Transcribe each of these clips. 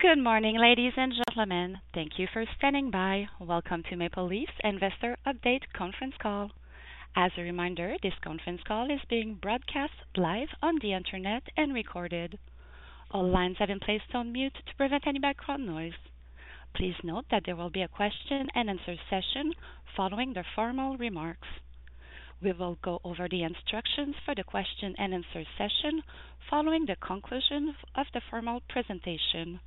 Good morning, ladies and gentlemen. Thank you for standing by. Welcome to Maple Leaf's Investor Update Conference Call. As a reminder, this conference call is being broadcast live on the Internet and recorded. All lines have been placed on mute to prevent any background noise. Please note that there will be a question-and-answer session following the formal remarks. We will go over the instructions for the question-and-answer session following the conclusion of the formal presentation.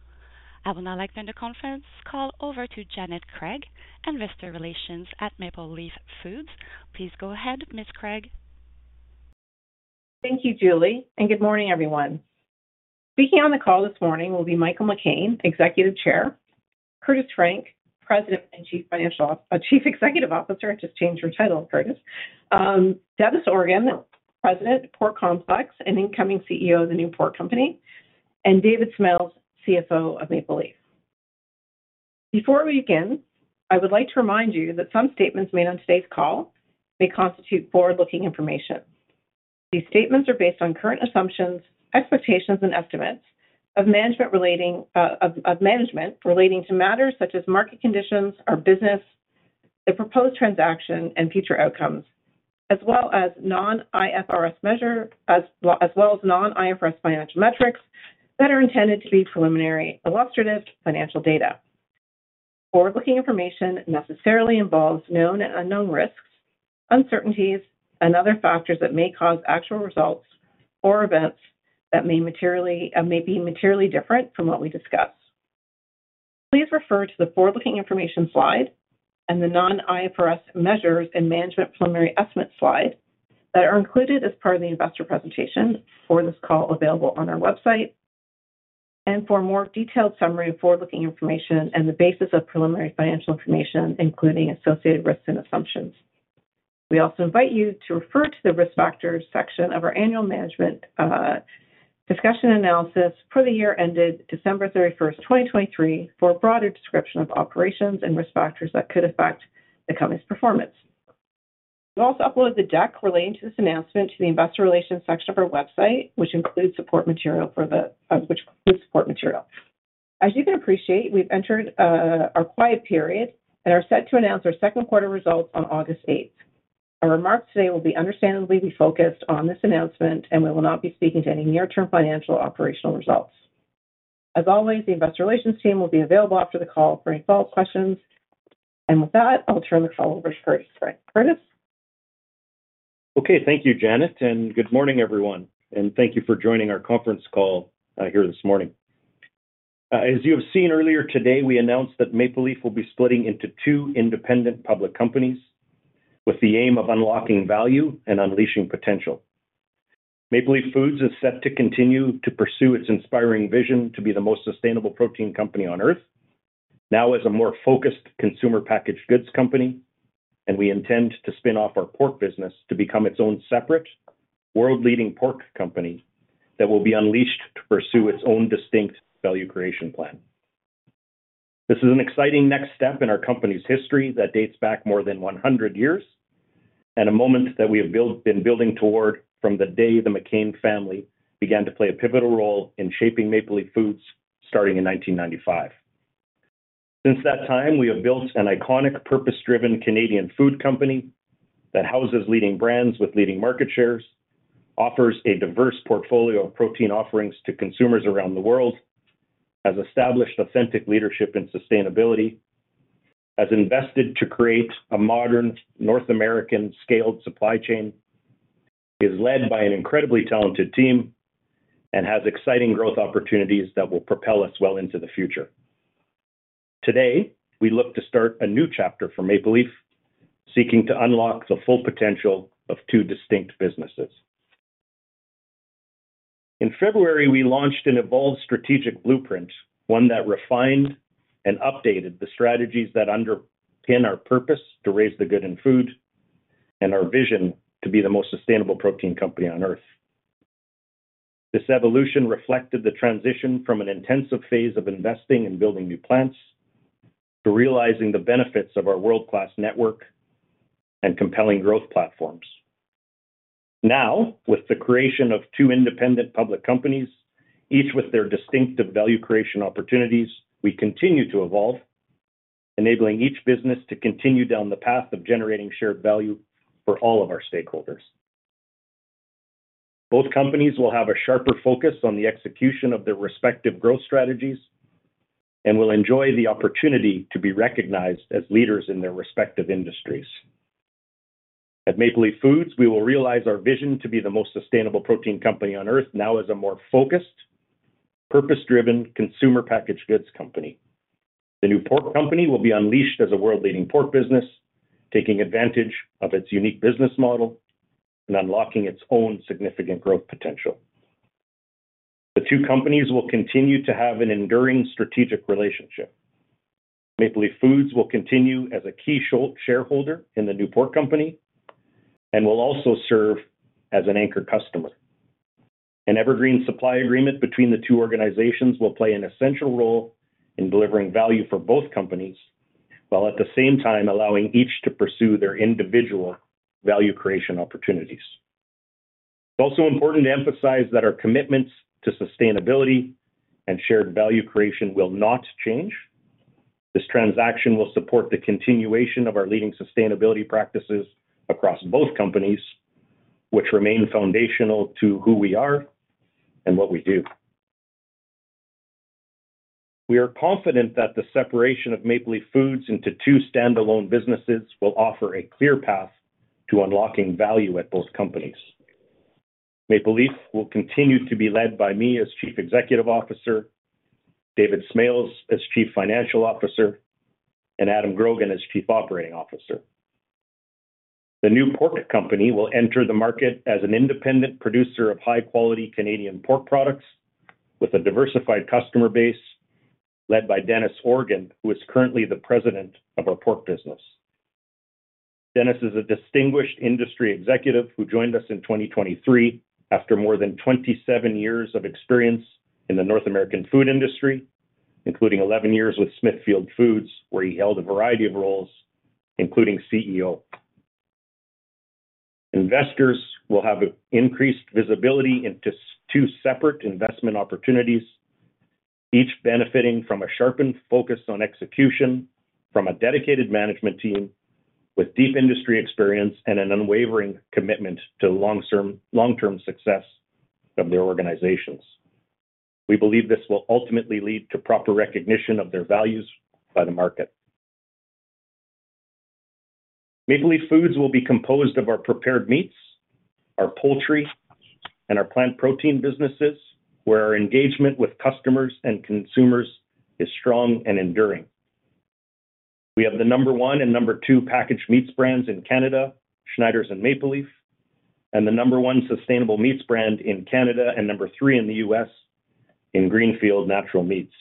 I will now turn the conference call over to Janet Craig, Investor Relations at Maple Leaf Foods. Please go ahead, Ms. Craig. Thank you, Julie, and good morning, everyone. Speaking on the call this morning will be Michael McCain, Executive Chair, Curtis Frank, President and Chief Executive Officer. I just changed your title, Curtis, Dennis Organ, President, Pork Complex, and incoming CEO of the new pork company, and David Smales, CFO of Maple Leaf. Before we begin, I would like to remind you that some statements made on today's call may constitute forward-looking information. These statements are based on current assumptions, expectations, and estimates of management relating to matters such as market conditions, our business, the proposed transaction, and future outcomes, as well as non-IFRS financial metrics that are intended to be preliminary illustrative financial data. Forward-looking information necessarily involves known and unknown risks, uncertainties, and other factors that may cause actual results or events that may be materially different from what we discuss. Please refer to the forward-looking information slide and the non-IFRS measures and management preliminary estimates slide that are included as part of the investor presentation for this call available on our website and for a more detailed summary of forward-looking information and the basis of preliminary financial information, including associated risks and assumptions. We also invite you to refer to the risk factors section of our annual management's discussion and analysis for the year ended December 31st, 2023, for a broader description of operations and risk factors that could affect the company's performance. We also uploaded the deck relating to this announcement to the investor relations section of our website, which includes support material. As you can appreciate, we've entered our quiet period and are set to announce our second quarter results on August 8th. Our remarks today will be understandably focused on this announcement, and we will not be speaking to any near-term financial operational results. As always, the investor relations team will be available after the call for any follow-up questions. With that, I'll turn the call over to Curtis. Okay. Thank you, Janet, and good morning, everyone. Thank you for joining our conference call here this morning. As you have seen earlier today, we announced that Maple Leaf will be splitting into two independent public companies with the aim of unlocking value and unleashing potential. Maple Leaf Foods is set to continue to pursue its inspiring vision to be the most sustainable protein company on Earth, now as a more focused consumer packaged goods company. We intend to spin off our pork business to become its own separate, world-leading pork company that will be unleashed to pursue its own distinct value creation plan. This is an exciting next step in our company's history that dates back more than 100 years and a moment that we have been building toward from the day the McCain family began to play a pivotal role in shaping Maple Leaf Foods starting in 1995. Since that time, we have built an iconic, purpose-driven Canadian food company that houses leading brands with leading market shares, offers a diverse portfolio of protein offerings to consumers around the world, has established authentic leadership and sustainability, has invested to create a modern North American scaled supply chain, is led by an incredibly talented team, and has exciting growth opportunities that will propel us well into the future. Today, we look to start a new chapter for Maple Leaf, seeking to unlock the full potential of two distinct businesses. In February, we launched an evolved strategic blueprint, one that refined and updated the strategies that underpin our purpose to raise the good in food and our vision to be the most sustainable protein company on Earth. This evolution reflected the transition from an intensive phase of investing and building new plants to realizing the benefits of our world-class network and compelling growth platforms. Now, with the creation of two independent public companies, each with their distinctive value creation opportunities, we continue to evolve, enabling each business to continue down the path of generating shared value for all of our stakeholders. Both companies will have a sharper focus on the execution of their respective growth strategies and will enjoy the opportunity to be recognized as leaders in their respective industries. At Maple Leaf Foods, we will realize our vision to be the most sustainable protein company on Earth, now as a more focused, purpose-driven consumer packaged goods company. The new pork company will be unleashed as a world-leading pork business, taking advantage of its unique business model and unlocking its own significant growth potential. The two companies will continue to have an enduring strategic relationship. Maple Leaf Foods will continue as a key shareholder in the new pork company and will also serve as an anchor customer. An evergreen supply agreement between the two organizations will play an essential role in delivering value for both companies while at the same time allowing each to pursue their individual value creation opportunities. It's also important to emphasize that our commitments to sustainability and shared value creation will not change. This transaction will support the continuation of our leading sustainability practices across both companies, which remain foundational to who we are and what we do. We are confident that the separation of Maple Leaf Foods into two standalone businesses will offer a clear path to unlocking value at both companies. Maple Leaf will continue to be led by me as Chief Executive Officer, David Smales as Chief Financial Officer, and Adam Grogan as Chief Operating Officer. The new pork company will enter the market as an independent producer of high-quality Canadian pork products with a diversified customer base led by Dennis Organ, who is currently the president of our pork business. Dennis is a distinguished industry executive who joined us in 2023 after more than 27 years of experience in the North American food industry, including 11 years with Smithfield Foods, where he held a variety of roles, including CEO. Investors will have increased visibility into two separate investment opportunities, each benefiting from a sharpened focus on execution from a dedicated management team with deep industry experience and an unwavering commitment to long-term success of their organizations. We believe this will ultimately lead to proper recognition of their values by the market. Maple Leaf Foods will be composed of our prepared meats, our poultry, and our plant protein businesses, where our engagement with customers and consumers is strong and enduring. We have the number one and number two packaged meats brands in Canada, Schneiders and Maple Leaf, and the number 1 sustainable meats brand in Canada and number three in the U.S. in Greenfield Natural Meats.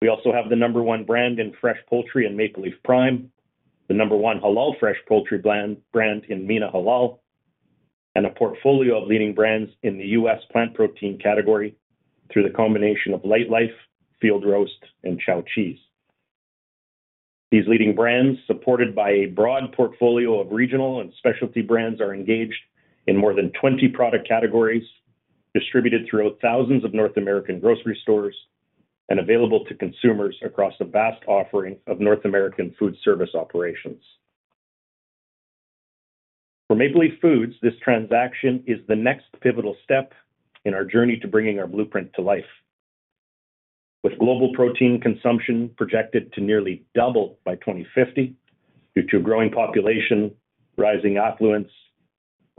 We also have the number one brand in fresh poultry in Maple Leaf Prime, the number one halal fresh poultry brand in Mina Halal, and a portfolio of leading brands in the U.S. plant protein category through the combination of Lightlife, Field Roast, and Chao Creamery. These leading brands, supported by a broad portfolio of regional and specialty brands, are engaged in more than 20 product categories distributed throughout thousands of North American grocery stores and available to consumers across a vast offering of North American food service operations. For Maple Leaf Foods, this transaction is the next pivotal step in our journey to bringing our blueprint to life. With global protein consumption projected to nearly double by 2050 due to a growing population, rising affluence,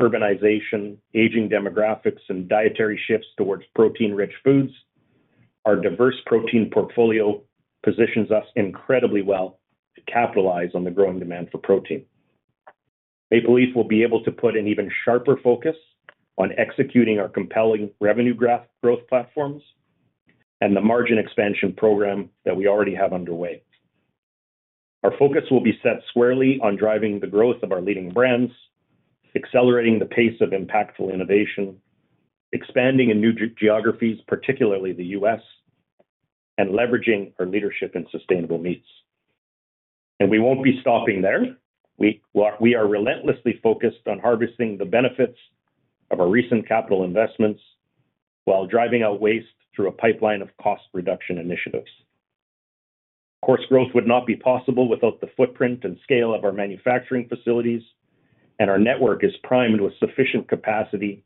urbanization, aging demographics, and dietary shifts towards protein-rich foods, our diverse protein portfolio positions us incredibly well to capitalize on the growing demand for protein. Maple Leaf will be able to put an even sharper focus on executing our compelling revenue growth platforms and the margin expansion program that we already have underway. Our focus will be set squarely on driving the growth of our leading brands, accelerating the pace of impactful innovation, expanding in new geographies, particularly the U.S., and leveraging our leadership in sustainable meats. We won't be stopping there. We are relentlessly focused on harvesting the benefits of our recent capital investments while driving out waste through a pipeline of cost reduction initiatives. Of course, growth would not be possible without the footprint and scale of our manufacturing facilities, and our network is primed with sufficient capacity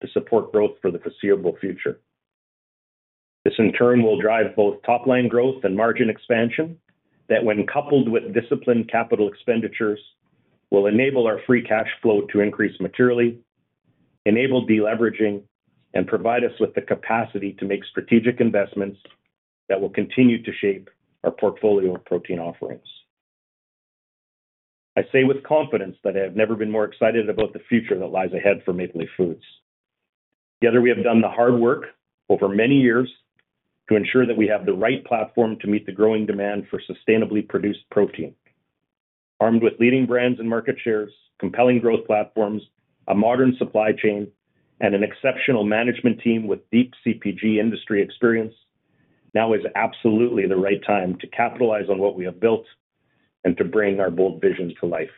to support growth for the foreseeable future. This, in turn, will drive both top-line growth and margin expansion that, when coupled with disciplined capital expenditures, will enable our free cash flow to increase materially, enable deleveraging, and provide us with the capacity to make strategic investments that will continue to shape our portfolio of protein offerings. I say with confidence that I have never been more excited about the future that lies ahead for Maple Leaf Foods. Together, we have done the hard work over many years to ensure that we have the right platform to meet the growing demand for sustainably produced protein. Armed with leading brands and market shares, compelling growth platforms, a modern supply chain, and an exceptional management team with deep CPG industry experience, now is absolutely the right time to capitalize on what we have built and to bring our bold vision to life.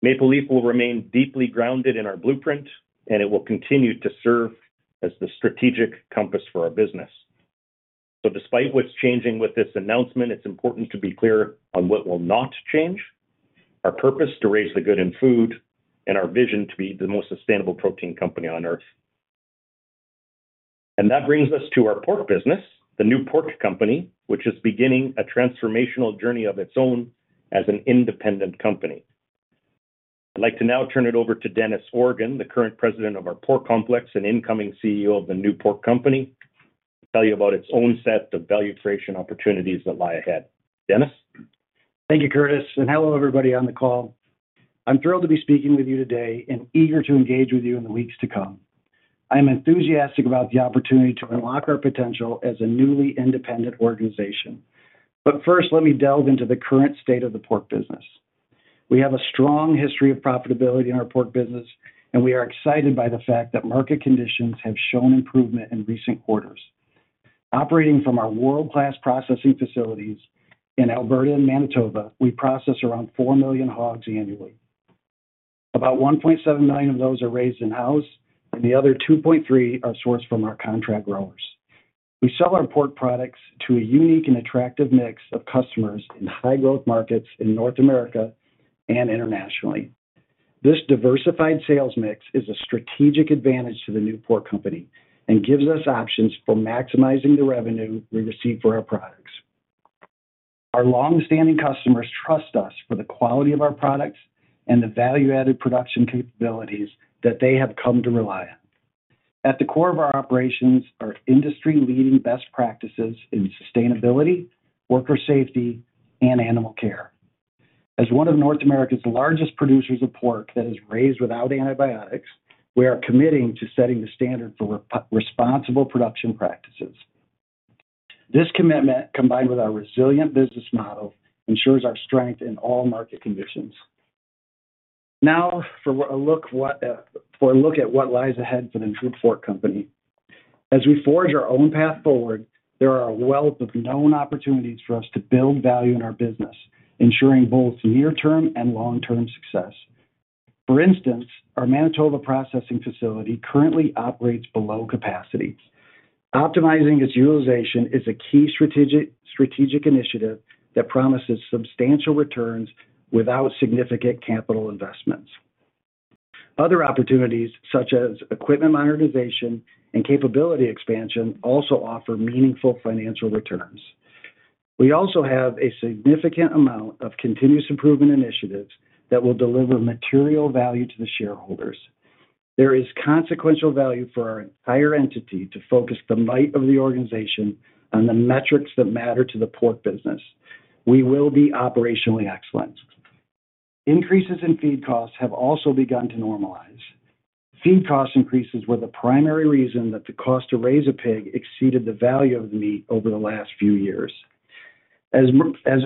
Maple Leaf will remain deeply grounded in our blueprint, and it will continue to serve as the strategic compass for our business. So, despite what's changing with this announcement, it's important to be clear on what will not change: our purpose to raise the good in food and our vision to be the most sustainable protein company on Earth. And that brings us to our pork business, the new pork company, which is beginning a transformational journey of its own as an independent company. I'd like to now turn it over to Dennis Organ, the current President of our pork complex and incoming CEO of the new pork company, to tell you about its own set of value creation opportunities that lie ahead. Dennis? Thank you, Curtis. Hello, everybody on the call. I'm thrilled to be speaking with you today and eager to engage with you in the weeks to come. I am enthusiastic about the opportunity to unlock our potential as a newly independent organization. But first, let me delve into the current state of the pork business. We have a strong history of profitability in our pork business, and we are excited by the fact that market conditions have shown improvement in recent quarters. Operating from our world-class processing facilities in Alberta and Manitoba, we process around four million hogs annually. About 1.7 million of those are raised in-house, and the other 2.3 are sourced from our contract growers. We sell our pork products to a unique and attractive mix of customers in high-growth markets in North America and internationally. This diversified sales mix is a strategic advantage to the new pork company and gives us options for maximizing the revenue we receive for our products. Our longstanding customers trust us for the quality of our products and the value-added production capabilities that they have come to rely on. At the core of our operations are industry-leading best practices in sustainability, worker safety, and animal care. As one of North America's largest producers of pork that is raised without antibiotics, we are committing to setting the standard for responsible production practices. This commitment, combined with our resilient business model, ensures our strength in all market conditions. Now, for a look at what lies ahead for the new pork company. As we forge our own path forward, there are a wealth of known opportunities for us to build value in our business, ensuring both near-term and long-term success. For instance, our Manitoba processing facility currently operates below capacity. Optimizing its utilization is a key strategic initiative that promises substantial returns without significant capital investments. Other opportunities, such as equipment modernization and capability expansion, also offer meaningful financial returns. We also have a significant amount of continuous improvement initiatives that will deliver material value to the shareholders. There is consequential value for our entire entity to focus the might of the organization on the metrics that matter to the pork business. We will be operationally excellent. Increases in feed costs have also begun to normalize. Feed cost increases were the primary reason that the cost to raise a pig exceeded the value of the meat over the last few years. As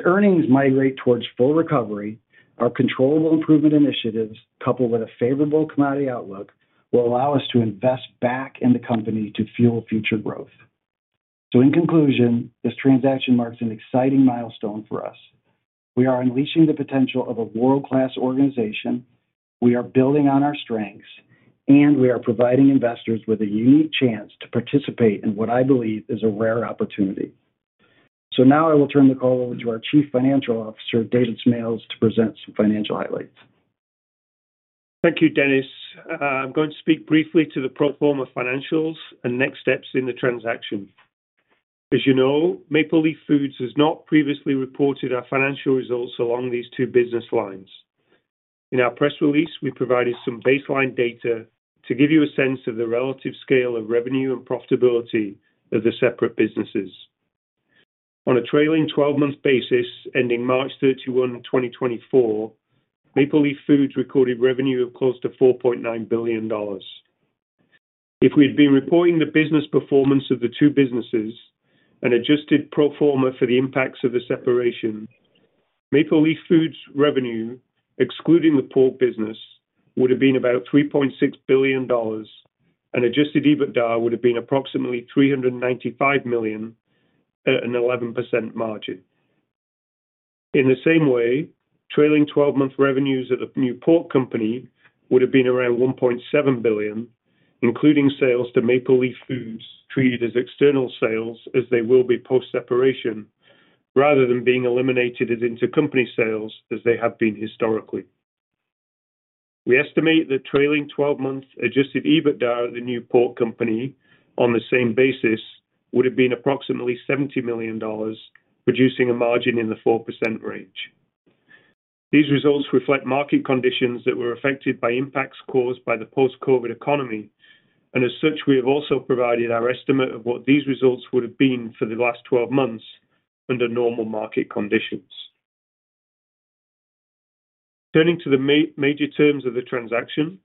earnings migrate towards full recovery, our controllable improvement initiatives, coupled with a favorable commodity outlook, will allow us to invest back in the company to fuel future growth. In conclusion, this transaction marks an exciting milestone for us. We are unleashing the potential of a world-class organization. We are building on our strengths, and we are providing investors with a unique chance to participate in what I believe is a rare opportunity. Now, I will turn the call over to our Chief Financial Officer, David Smales, to present some financial highlights. Thank you, Dennis. I'm going to speak briefly to the pro forma financials and next steps in the transaction. As you know, Maple Leaf Foods has not previously reported our financial results along these two business lines. In our press release, we provided some baseline data to give you a sense of the relative scale of revenue and profitability of the separate businesses. On a trailing 12-month basis, ending March 31, 2024, Maple Leaf Foods recorded revenue of close to 4.9 billion dollars. If we had been reporting the business performance of the two businesses and adjusted pro forma for the impacts of the separation, Maple Leaf Foods' revenue, excluding the pork business, would have been about 3.6 billion dollars, and Adjusted EBITDA would have been approximately 395 million at an 11% margin. In the same way, trailing 12-month revenues of the new pork company would have been around 1.7 billion, including sales to Maple Leaf Foods, treated as external sales as they will be post-separation, rather than being eliminated as intercompany sales as they have been historically. We estimate that trailing 12-month Adjusted EBITDA of the new pork company on the same basis would have been approximately 70 million dollars, producing a margin in the 4% range. These results reflect market conditions that were affected by impacts caused by the post-COVID economy, and as such, we have also provided our estimate of what these results would have been for the last 12 months under normal market conditions. Turning to the major terms of the transaction,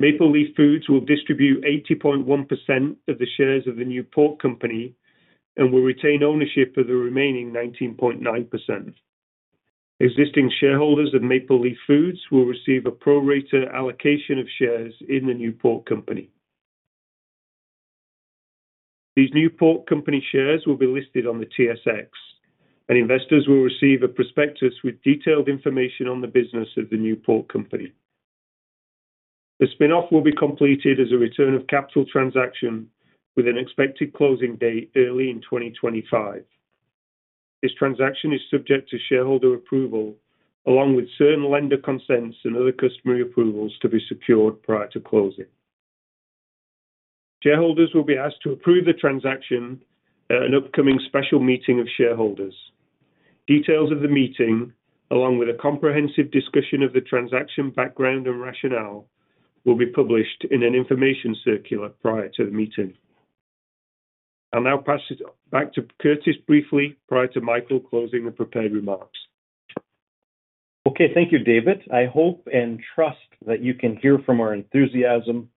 Maple Leaf Foods will distribute 80.1% of the shares of the new pork company and will retain ownership of the remaining 19.9%. Existing shareholders of Maple Leaf Foods will receive a pro rata allocation of shares in the new pork company. These new pork company shares will be listed on the TSX, and investors will receive a prospectus with detailed information on the business of the new pork company. The spinoff will be completed as a return of capital transaction with an expected closing date early in 2025. This transaction is subject to shareholder approval, along with certain lender consents and other customary approvals to be secured prior to closing. Shareholders will be asked to approve the transaction at an upcoming special meeting of shareholders. Details of the meeting, along with a comprehensive discussion of the transaction background and rationale, will be published in an information circular prior to the meeting. I'll now pass it back to Curtis briefly prior to Michael closing the prepared remarks. Okay. Thank you, David. I hope and trust that you can hear from our enthusiasm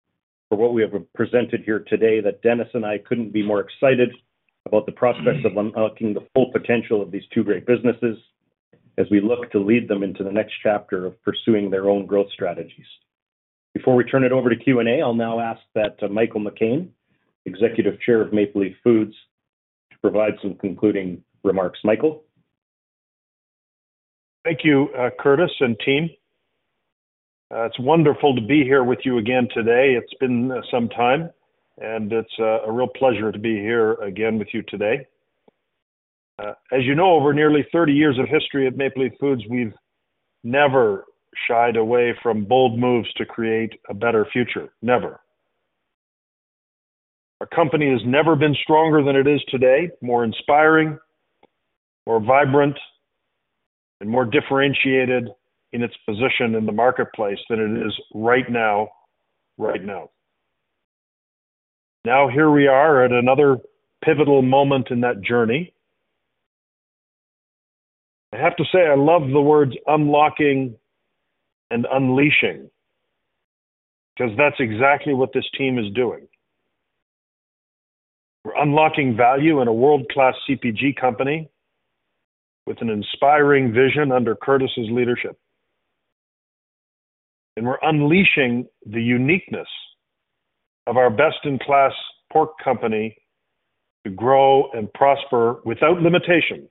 for what we have presented here today, that Dennis and I couldn't be more excited about the prospects of unlocking the full potential of these two great businesses as we look to lead them into the next chapter of pursuing their own growth strategies. Before we turn it over to Q&A, I'll now ask that Michael McCain, Executive Chair of Maple Leaf Foods, to provide some concluding remarks. Michael. Thank you, Curtis and team. It's wonderful to be here with you again today. It's been some time, and it's a real pleasure to be here again with you today. As you know, over nearly 30 years of history at Maple Leaf Foods, we've never shied away from bold moves to create a better future. Never. Our company has never been stronger than it is today, more inspiring, more vibrant, and more differentiated in its position in the marketplace than it is right now, right now. Now, here we are at another pivotal moment in that journey. I have to say I love the words unlocking and unleashing because that's exactly what this team is doing. We're unlocking value in a world-class CPG company with an inspiring vision under Curtis's leadership. And we're unleashing the uniqueness of our best-in-class pork company to grow and prosper without limitation,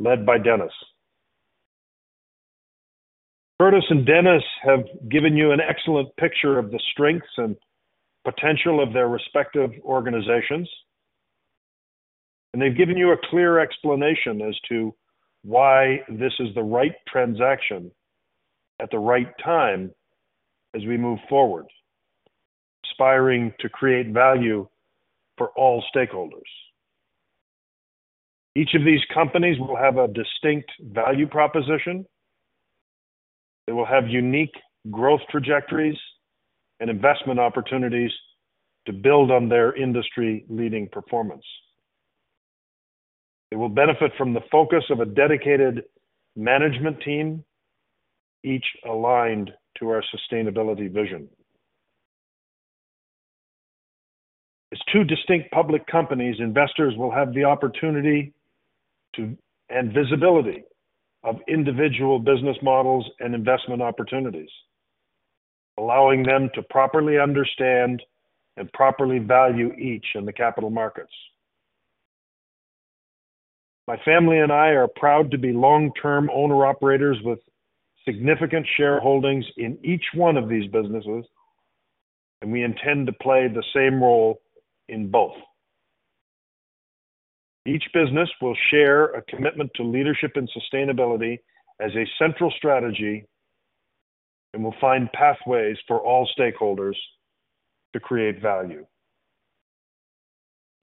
led by Dennis. Curtis and Dennis have given you an excellent picture of the strengths and potential of their respective organizations, and they've given you a clear explanation as to why this is the right transaction at the right time as we move forward, aspiring to create value for all stakeholders. Each of these companies will have a distinct value proposition. They will have unique growth trajectories and investment opportunities to build on their industry-leading performance. They will benefit from the focus of a dedicated management team, each aligned to our sustainability vision. As two distinct public companies, investors will have the opportunity and visibility of individual business models and investment opportunities, allowing them to properly understand and properly value each in the capital markets. My family and I are proud to be long-term owner-operators with significant shareholdings in each one of these businesses, and we intend to play the same role in both. Each business will share a commitment to leadership and sustainability as a central strategy and will find pathways for all stakeholders to create value.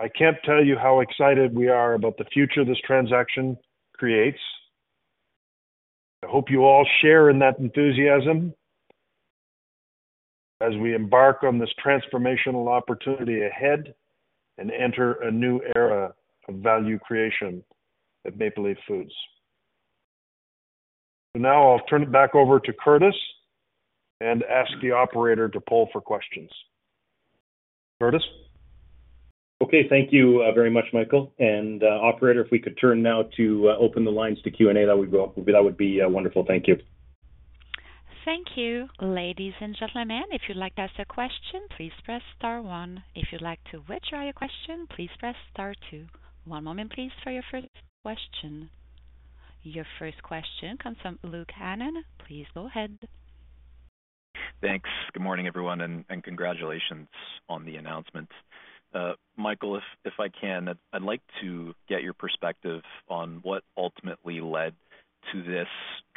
I can't tell you how excited we are about the future this transaction creates. I hope you all share in that enthusiasm as we embark on this transformational opportunity ahead and enter a new era of value creation at Maple Leaf Foods. So now, I'll turn it back over to Curtis and ask the operator to poll for questions. Curtis? Okay. Thank you very much, Michael. Operator, if we could turn now to open the lines to Q&A, that would be wonderful. Thank you. Thank you, ladies and gentlemen. If you'd like to ask a question, please press star one. If you'd like to withdraw your question, please press star two. One moment, please, for your first question. Your first question comes from Luke Hannan. Please go ahead. Thanks. Good morning, everyone, and congratulations on the announcement. Michael, if I can, I'd like to get your perspective on what ultimately led to this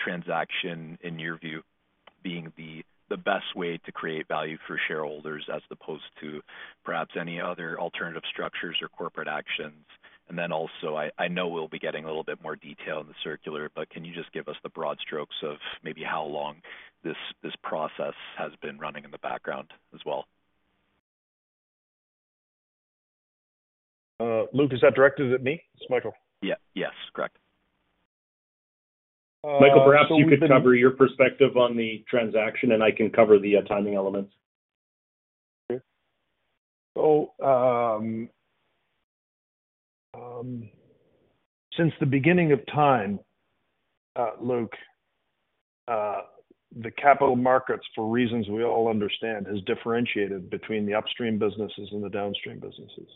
transaction, in your view, being the best way to create value for shareholders as opposed to perhaps any other alternative structures or corporate actions. And then also, I know we'll be getting a little bit more detail in the circular, but can you just give us the broad strokes of maybe how long this process has been running in the background as well? Luke, is that directed at me? It's Michael. Yeah. Yes. Correct. Michael, perhaps you could cover your perspective on the transaction, and I can cover the timing elements. So since the beginning of time, Luke, the capital markets, for reasons we all understand, have differentiated between the upstream businesses and the downstream businesses.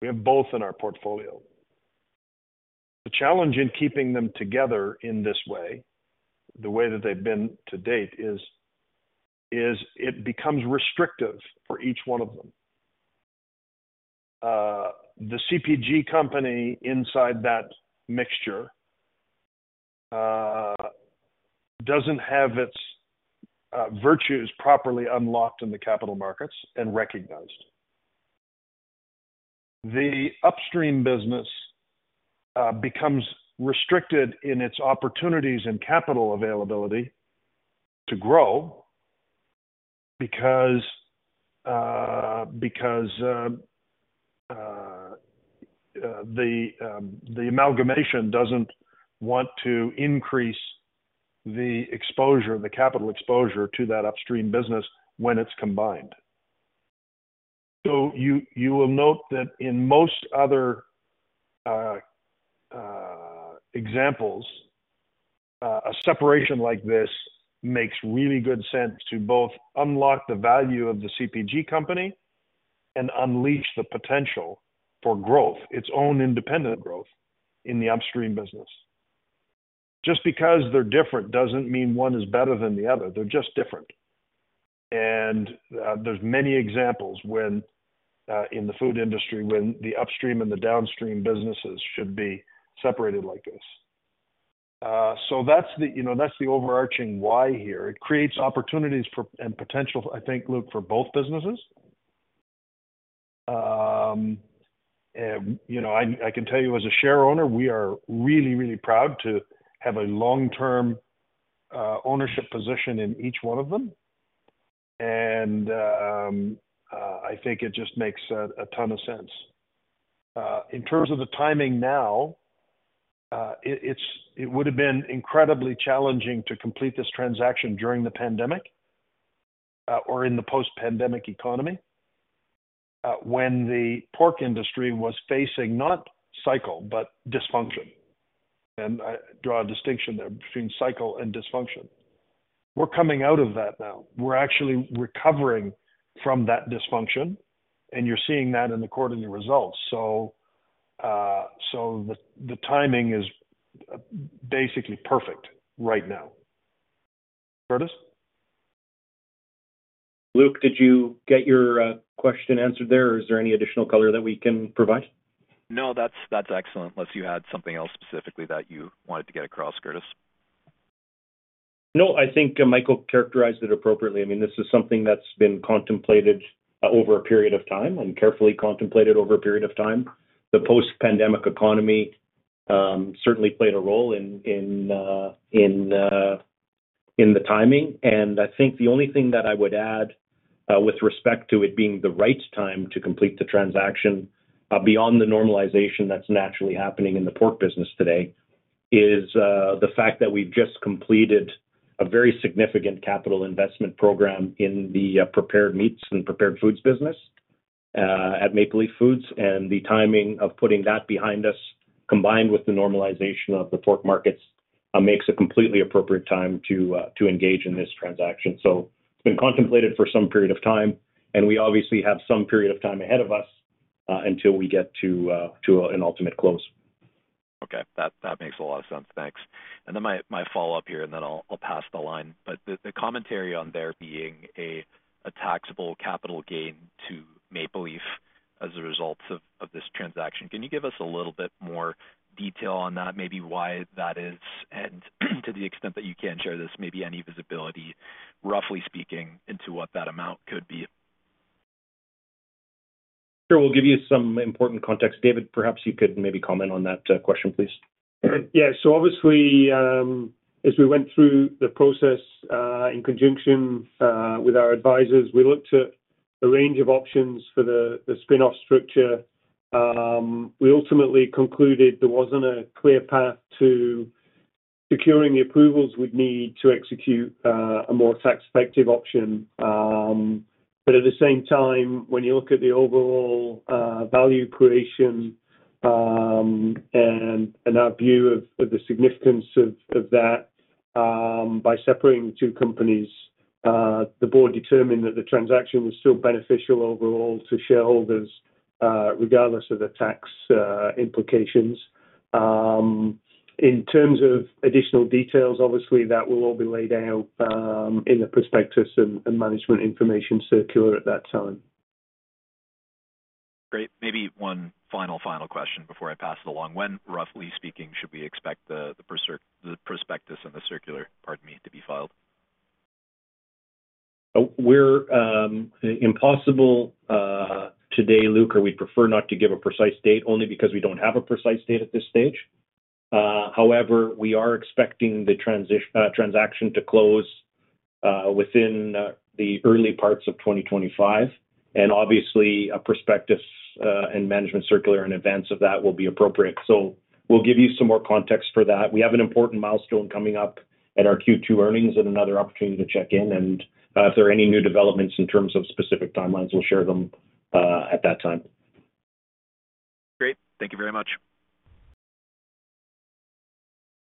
We have both in our portfolio. The challenge in keeping them together in this way, the way that they've been to date, is it becomes restrictive for each one of them. The CPG company inside that mixture doesn't have its virtues properly unlocked in the capital markets and recognized. The upstream business becomes restricted in its opportunities and capital availability to grow because the amalgamation doesn't want to increase the exposure, the capital exposure, to that upstream business when it's combined. So you will note that in most other examples, a separation like this makes really good sense to both unlock the value of the CPG company and unleash the potential for growth, its own independent growth in the upstream business. Just because they're different doesn't mean one is better than the other. They're just different. There's many examples in the food industry when the upstream and the downstream businesses should be separated like this. That's the overarching why here. It creates opportunities and potential, I think, Luke, for both businesses. I can tell you, as a share owner, we are really, really proud to have a long-term ownership position in each one of them. I think it just makes a ton of sense. In terms of the timing now, it would have been incredibly challenging to complete this transaction during the pandemic or in the post-pandemic economy when the pork industry was facing not cycle, but dysfunction. I draw a distinction there between cycle and dysfunction. We're coming out of that now. We're actually recovering from that dysfunction, and you're seeing that in the quarterly results. The timing is basically perfect right now. Curtis? Luke, did you get your question answered there, or is there any additional color that we can provide? No, that's excellent. Unless you had something else specifically that you wanted to get across, Curtis. No, I think Michael characterized it appropriately. I mean, this is something that's been contemplated over a period of time and carefully contemplated over a period of time. The post-pandemic economy certainly played a role in the timing. I think the only thing that I would add with respect to it being the right time to complete the transaction beyond the normalization that's naturally happening in the pork business today is the fact that we've just completed a very significant capital investment program in the prepared meats and prepared foods business at Maple Leaf Foods. The timing of putting that behind us, combined with the normalization of the pork markets, makes a completely appropriate time to engage in this transaction. It's been contemplated for some period of time, and we obviously have some period of time ahead of us until we get to an ultimate close. Okay. That makes a lot of sense. Thanks. And then my follow-up here, and then I'll pass the line. But the commentary on there being a taxable capital gain to Maple Leaf as a result of this transaction, can you give us a little bit more detail on that, maybe why that is, and to the extent that you can share this, maybe any visibility, roughly speaking, into what that amount could be? Sure. We'll give you some important context. David, perhaps you could maybe comment on that question, please. Yeah. So obviously, as we went through the process in conjunction with our advisors, we looked at a range of options for the spinoff structure. We ultimately concluded there wasn't a clear path to securing the approvals we'd need to execute a more tax-effective option. But at the same time, when you look at the overall value creation and our view of the significance of that, by separating the two companies, the board determined that the transaction was still beneficial overall to shareholders regardless of the tax implications. In terms of additional details, obviously, that will all be laid out in the prospectus and management information circular at that time. Great. Maybe one final, final question before I pass it along. When, roughly speaking, should we expect the prospectus and the circular, pardon me, to be filed? We're impossible today, Luke, or we'd prefer not to give a precise date only because we don't have a precise date at this stage. However, we are expecting the transaction to close within the early parts of 2025. And obviously, a prospectus and management circular in advance of that will be appropriate. So we'll give you some more context for that. We have an important milestone coming up in our Q2 earnings and another opportunity to check in. And if there are any new developments in terms of specific timelines, we'll share them at that time. Great. Thank you very much.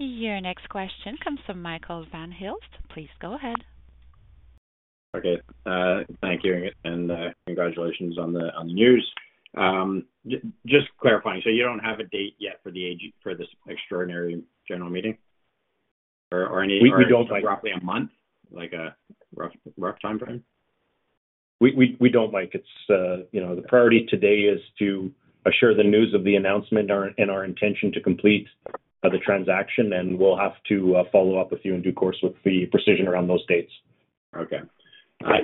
Your next question comes from Michael Van Aelst. Please go ahead. Okay. Thank you. Congratulations on the news. Just clarifying, so you don't have a date yet for this extraordinary general meeting? Or any, roughly a month, like a rough timeframe? We don't. The priority today is to assure the news of the announcement and our intention to complete the transaction. We'll have to follow up with you in due course with the precision around those dates. Okay.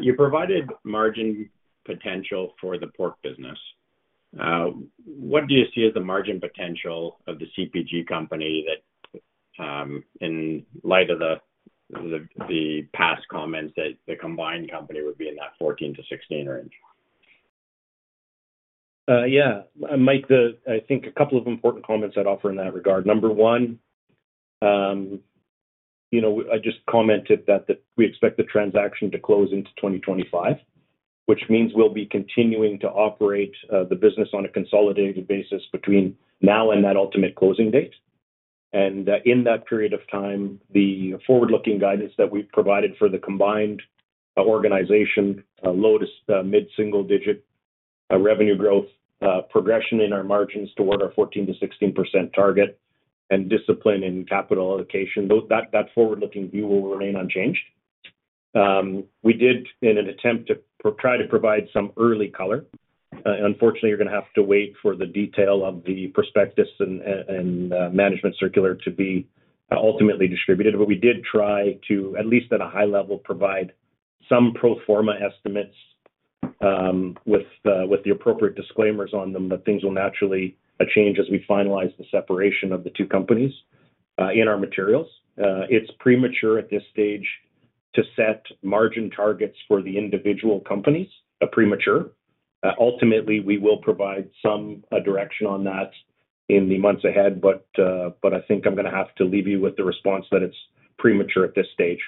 You provided margin potential for the pork business. What do you see as the margin potential of the CPG company that, in light of the past comments, the combined company would be in that 14%-16% range? Yeah. I make, I think, a couple of important comments I'd offer in that regard. Number one, I just commented that we expect the transaction to close into 2025, which means we'll be continuing to operate the business on a consolidated basis between now and that ultimate closing date. And in that period of time, the forward-looking guidance that we've provided for the combined organization, low- to mid-single-digit revenue growth, progression in our margins toward our 14%-16% target, and discipline in capital allocation, that forward-looking view will remain unchanged. We did, in an attempt to try to provide some early color. Unfortunately, you're going to have to wait for the detail of the prospectus and management circular to be ultimately distributed. But we did try to, at least at a high level, provide some pro forma estimates with the appropriate disclaimers on them that things will naturally change as we finalize the separation of the two companies in our materials. It's premature at this stage to set margin targets for the individual companies. Premature. Ultimately, we will provide some direction on that in the months ahead, but I think I'm going to have to leave you with the response that it's premature at this stage.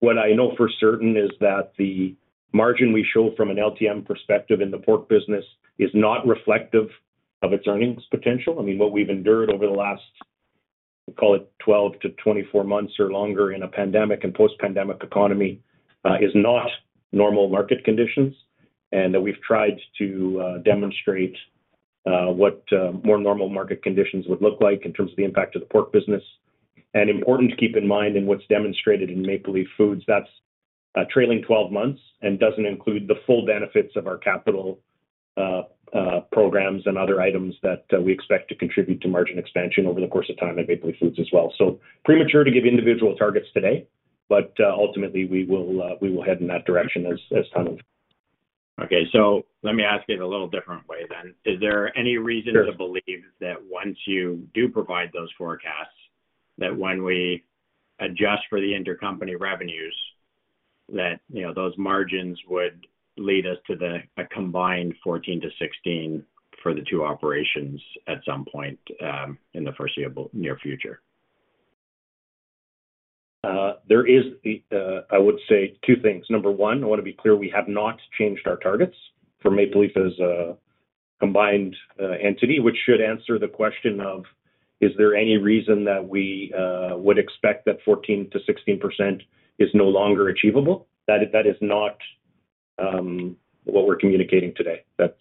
What I know for certain is that the margin we show from an LTM perspective in the pork business is not reflective of its earnings potential. I mean, what we've endured over the last, call it, 12-24 months or longer in a pandemic and post-pandemic economy is not normal market conditions. We've tried to demonstrate what more normal market conditions would look like in terms of the impact of the pork business. Important to keep in mind in what's demonstrated in Maple Leaf Foods, that's trailing 12 months and doesn't include the full benefits of our capital programs and other items that we expect to contribute to margin expansion over the course of time at Maple Leaf Foods as well. Premature to give individual targets today, but ultimately, we will head in that direction as time. Okay. Let me ask it a little different way then. Is there any reason to believe that once you do provide those forecasts, that when we adjust for the intercompany revenues, that those margins would lead us to a combined 14%-16% for the two operations at some point in the foreseeable near future? There is, I would say, two things. Number one, I want to be clear. We have not changed our targets for Maple Leaf as a combined entity, which should answer the question of, is there any reason that we would expect that 14%-16% is no longer achievable? That is not what we're communicating today. That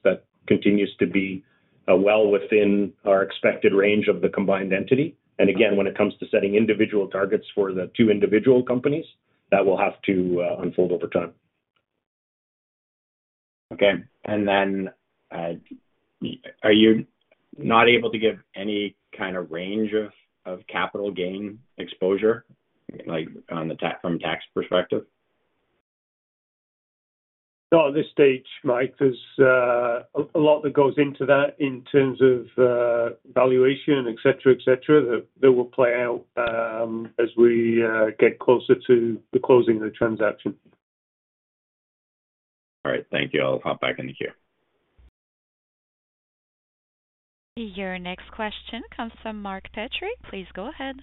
continues to be well within our expected range of the combined entity. And again, when it comes to setting individual targets for the two individual companies, that will have to unfold over time. Okay. And then are you not able to give any kind of range of capital gain exposure from a tax perspective? Not at this stage, Mike. There's a lot that goes into that in terms of valuation, etc., etc., that will play out as we get closer to the closing of the transaction. All right. Thank you. I'll hop back in here. Your next question comes from Mark Petrie. Please go ahead.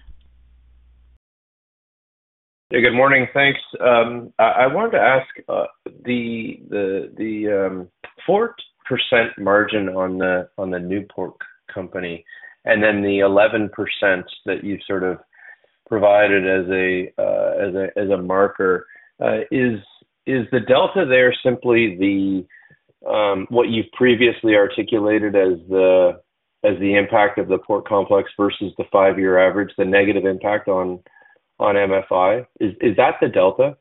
Yeah. Good morning. Thanks. I wanted to ask the 4% margin on the new pork company and then the 11% that you've sort of provided as a marker, is the delta there simply what you've previously articulated as the impact of the pork complex versus the five-year average, the negative impact on MFI? Is that the delta?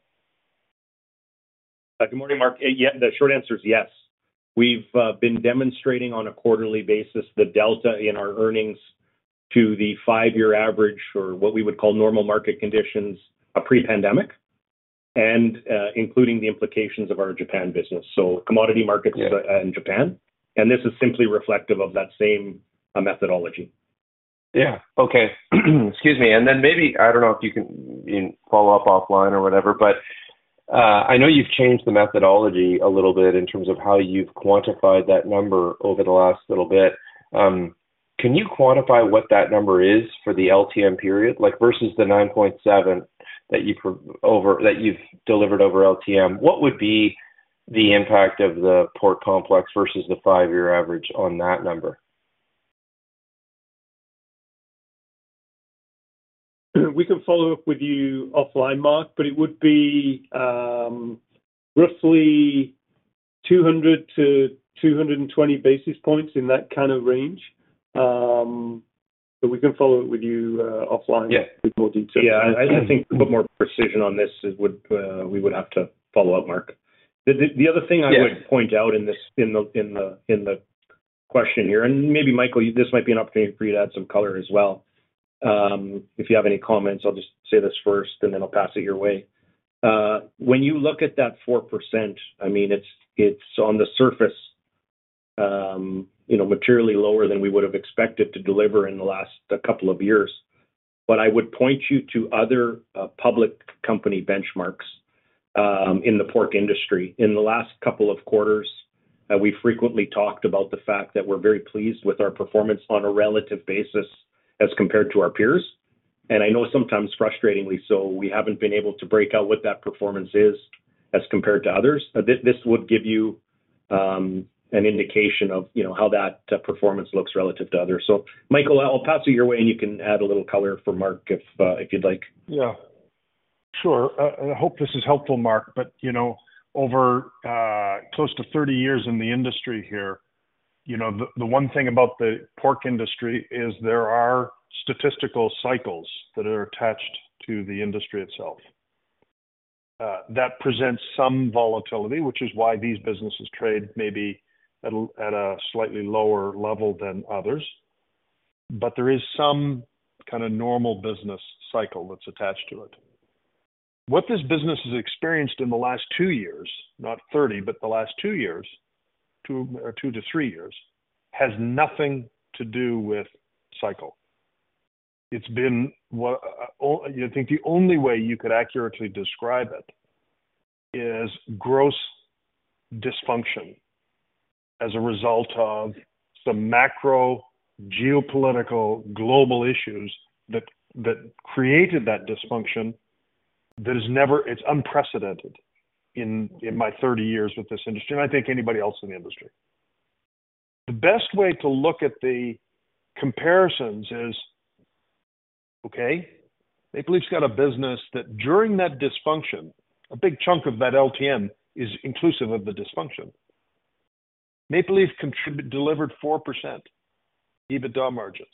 Good morning, Mark. Yeah. The short answer is yes. We've been demonstrating on a quarterly basis the delta in our earnings to the five-year average or what we would call normal market conditions pre-pandemic, including the implications of our Japan business, so commodity markets in Japan. This is simply reflective of that same methodology. Yeah. Okay. Excuse me. And then, maybe I don't know if you can follow up offline or whatever, but I know you've changed the methodology a little bit in terms of how you've quantified that number over the last little bit. Can you quantify what that number is for the LTM period versus the 9.7 that you've delivered over LTM? What would be the impact of the pork complex versus the five-year average on that number? We can follow up with you offline, Mark, but it would be roughly 200-220 basis points in that kind of range. We can follow up with you offline with more detail. Yeah. I think a little more precision on this, we would have to follow up, Mark. The other thing I would point out in the question here, and maybe, Michael, this might be an opportunity for you to add some color as well. If you have any comments, I'll just say this first, and then I'll pass it your way. When you look at that 4%, I mean, it's on the surface materially lower than we would have expected to deliver in the last couple of years. But I would point you to other public company benchmarks in the pork industry. In the last couple of quarters, we frequently talked about the fact that we're very pleased with our performance on a relative basis as compared to our peers. And I know sometimes frustratingly so, we haven't been able to break out what that performance is as compared to others. This would give you an indication of how that performance looks relative to others. So, Michael, I'll pass it your way, and you can add a little color for Mark if you'd like. Yeah. Sure. And I hope this is helpful, Mark. But over close to 30 years in the industry here, the one thing about the pork industry is there are statistical cycles that are attached to the industry itself. That presents some volatility, which is why these businesses trade maybe at a slightly lower level than others. But there is some kind of normal business cycle that's attached to it. What this business has experienced in the last two years, not 30, but the last two years or 2-3 years, has nothing to do with cycle. I think the only way you could accurately describe it is gross dysfunction as a result of some macro geopolitical global issues that created that dysfunction that is never, it's unprecedented in my 30 years with this industry, and I think anybody else in the industry. The best way to look at the comparisons is, okay, Maple Leaf's got a business that during that dysfunction, a big chunk of that LTM is inclusive of the dysfunction. Maple Leaf delivered 4% EBITDA margins.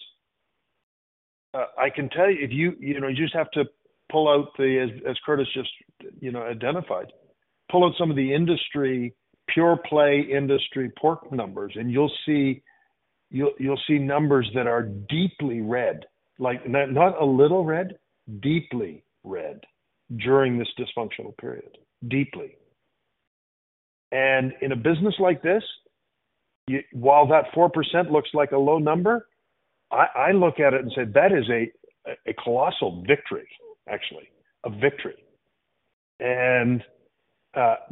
I can tell you if you just have to pull out the, as Curtis just identified, pull out some of the industry pure play industry pork numbers, and you'll see numbers that are deeply red, not a little red, deeply red during this dysfunctional period. Deeply. And in a business like this, while that 4% looks like a low number, I look at it and say, "That is a colossal victory, actually, a victory." And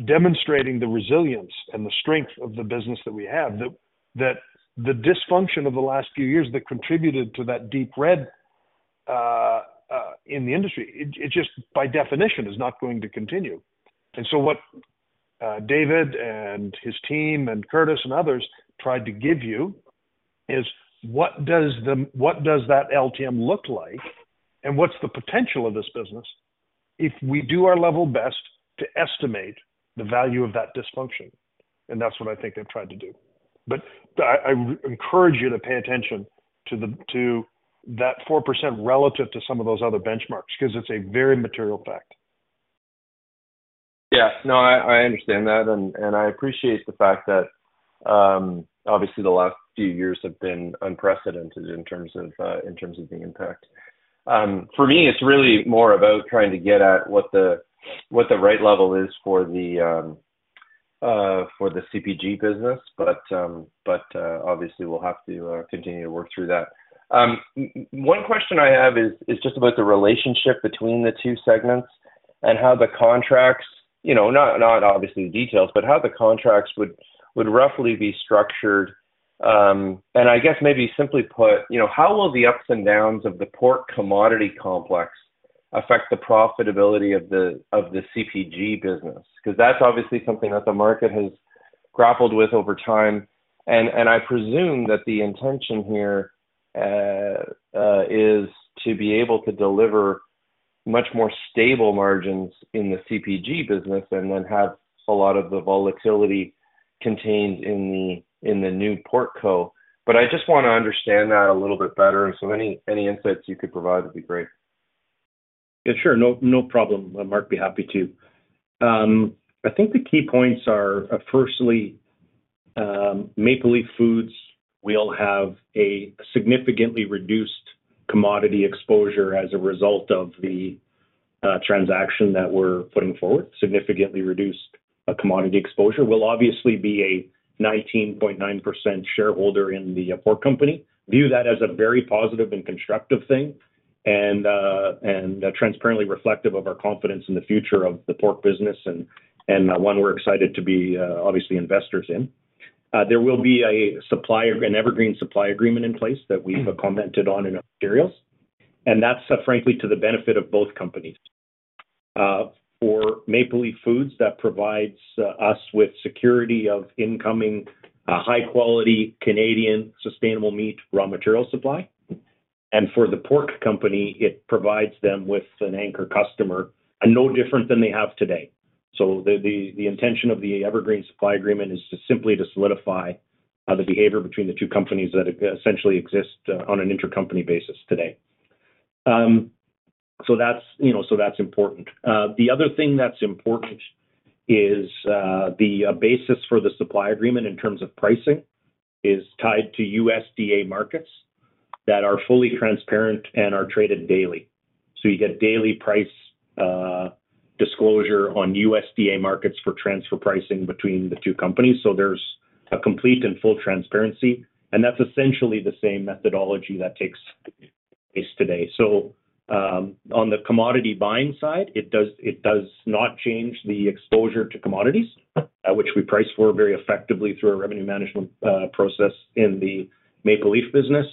demonstrating the resilience and the strength of the business that we have, that the dysfunction of the last few years that contributed to that deep red in the industry, it just by definition is not going to continue. What David and his team and Curtis and others tried to give you is, "What does that LTM look like, and what's the potential of this business if we do our level best to estimate the value of that dysfunction?" That's what I think they've tried to do. But I encourage you to pay attention to that 4% relative to some of those other benchmarks because it's a very material fact. Yeah. No, I understand that. And I appreciate the fact that obviously the last few years have been unprecedented in terms of the impact. For me, it's really more about trying to get at what the right level is for the CPG business. But obviously, we'll have to continue to work through that. One question I have is just about the relationship between the two segments and how the contracts, not obviously the details, but how the contracts would roughly be structured. And I guess maybe simply put, how will the ups and downs of the pork commodity complex affect the profitability of the CPG business? Because that's obviously something that the market has grappled with over time. I presume that the intention here is to be able to deliver much more stable margins in the CPG business and then have a lot of the volatility contained in the New Pork Co. But I just want to understand that a little bit better. So any insights you could provide would be great. Yeah. Sure. No problem. Mark would be happy to. I think the key points are, firstly, Maple Leaf Foods will have a significantly reduced commodity exposure as a result of the transaction that we're putting forward, significantly reduced commodity exposure. We'll obviously be a 19.9% shareholder in the pork company. View that as a very positive and constructive thing and transparently reflective of our confidence in the future of the pork business and one we're excited to be obviously investors in. There will be an evergreen supply agreement in place that we've commented on in our materials. And that's frankly to the benefit of both companies. For Maple Leaf Foods, that provides us with security of incoming high-quality Canadian sustainable meat raw material supply. And for the pork company, it provides them with an anchor customer, no different than they have today. So the intention of the evergreen supply agreement is simply to solidify the behavior between the two companies that essentially exist on an intercompany basis today. So that's important. The other thing that's important is the basis for the supply agreement in terms of pricing is tied to USDA markets that are fully transparent and are traded daily. So you get daily price disclosure on USDA markets for transfer pricing between the two companies. So there's a complete and full transparency. And that's essentially the same methodology that takes place today. So on the commodity buying side, it does not change the exposure to commodities, which we price for very effectively through our revenue management process in the Maple Leaf business.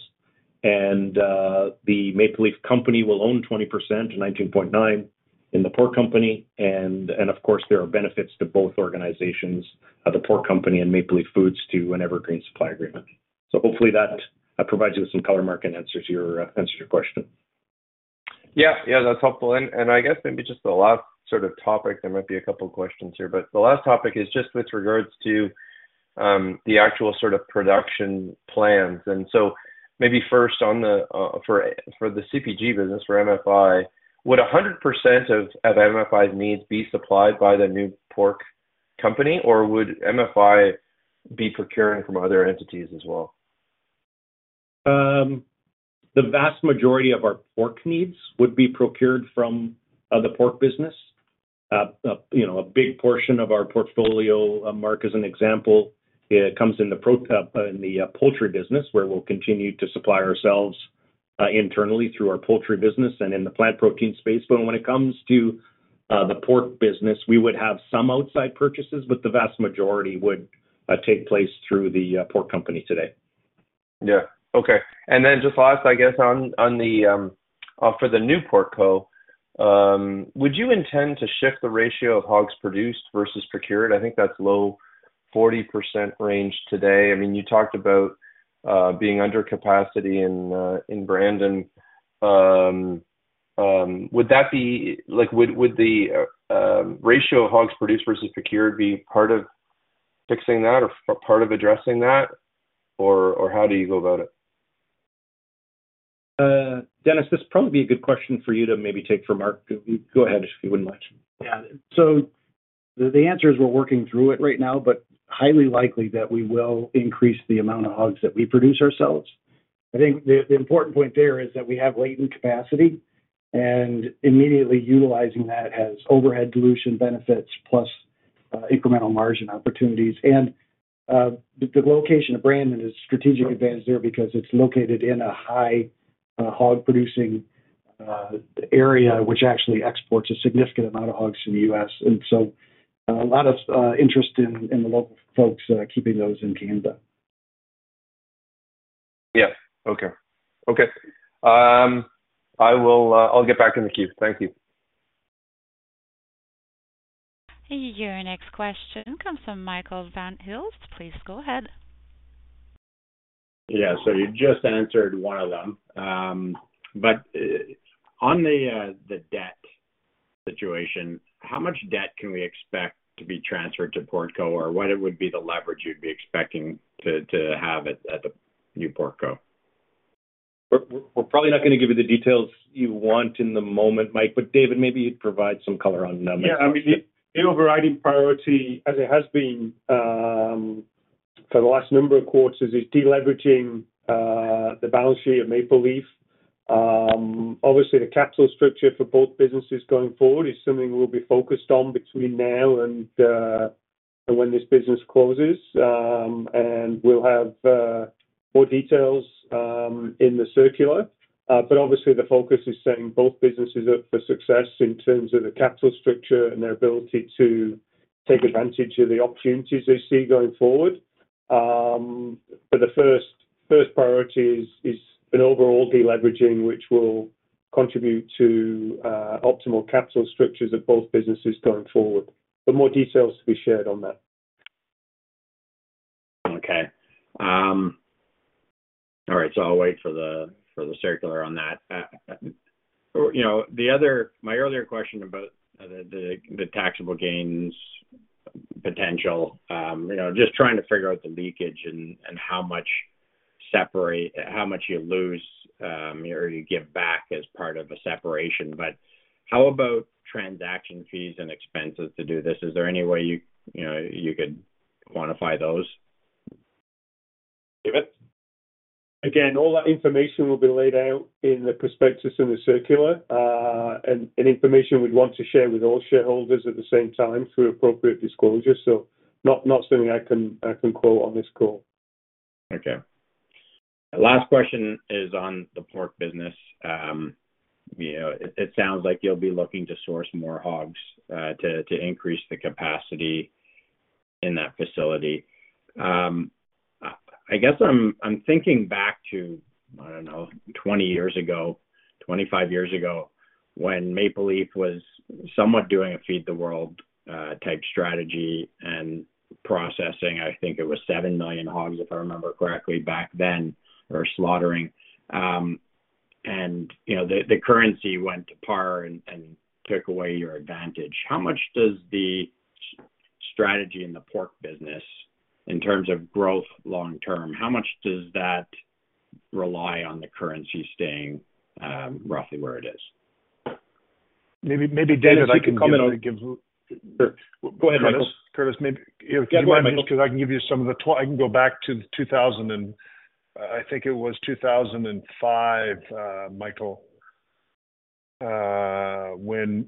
And the Maple Leaf company will own 20%, 19.9%, in the pork company. Of course, there are benefits to both organizations, the pork company and Maple Leaf Foods, to an evergreen supply agreement. Hopefully, that provides you with some color, Mark, and answers your question. Yeah. Yeah. That's helpful. I guess maybe just the last sort of topic, there might be a couple of questions here. The last topic is just with regards to the actual sort of production plans. So maybe first, for the CPG business, for MFI, would 100% of MFI's needs be supplied by the new pork company, or would MFI be procuring from other entities as well? The vast majority of our pork needs would be procured from the pork business. A big portion of our portfolio, Mark, as an example, comes in the poultry business, where we'll continue to supply ourselves internally through our poultry business and in the plant protein space. But when it comes to the pork business, we would have some outside purchases, but the vast majority would take place through the pork company today. Yeah. Okay. And then just last, I guess, for the New Pork Co, would you intend to shift the ratio of hogs produced versus procured? I think that's low 40% range today. I mean, you talked about being under capacity in Brandon. Would the ratio of hogs produced versus procured be part of fixing that or part of addressing that, or how do you go about it? Dennis, this would probably be a good question for you to maybe take from Mark. Go ahead if you wouldn't mind. Yeah. So the answer is we're working through it right now, but highly likely that we will increase the amount of hogs that we produce ourselves. I think the important point there is that we have latent capacity and immediately utilizing that has overhead dilution benefits plus incremental margin opportunities. And the location of Brandon is a strategic advantage there because it's located in a high hog-producing area, which actually exports a significant amount of hogs to the U.S. And so a lot of interest in the local folks keeping those in Canada. Yeah. Okay. Okay. I'll get back in the queue. Thank you. Hey, your next question comes from Michael Van Aelst. Please go ahead. Yeah. So you just answered one of them. But on the debt situation, how much debt can we expect to be transferred to Pork Co, or what would be the leverage you'd be expecting to have at the New Pork Co? We're probably not going to give you the details you want in the moment, Mike. David, maybe you'd provide some color on that. Yeah. I mean, the overriding priority, as it has been for the last number of quarters, is deleveraging the balance sheet of Maple Leaf. Obviously, the capital structure for both businesses going forward is something we'll be focused on between now and when this business closes. We'll have more details in the circular. Obviously, the focus is setting both businesses up for success in terms of the capital structure and their ability to take advantage of the opportunities they see going forward. The first priority is an overall deleveraging, which will contribute to optimal capital structures at both businesses going forward. More details to be shared on that. Okay. All right. So I'll wait for the circular on that. My earlier question about the taxable gains potential, just trying to figure out the leakage and how much you lose or you give back as part of a separation. But how about transaction fees and expenses to do this? Is there any way you could quantify those? David? Again, all that information will be laid out in the prospectus and the circular and information we'd want to share with all shareholders at the same time through appropriate disclosure. Not something I can quote on this call. Okay. Last question is on the pork business. It sounds like you'll be looking to source more hogs to increase the capacity in that facility. I guess I'm thinking back to, I don't know, 20 years ago, 25 years ago, when Maple Leaf was somewhat doing a feed-the-world type strategy and processing. I think it was seven million hogs, if I remember correctly, back then, or slaughtering. And the currency went to par and took away your advantage. How much does the strategy in the pork business, in terms of growth long-term, how much does that rely on the currency staying roughly where it is? Maybe David, I can give you. Sure. Go ahead, Michael. Because I can go back to 2000, and I think it was 2005, Michael, when